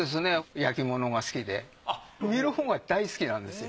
焼き物が好きで見るほうが大好きなんですよ。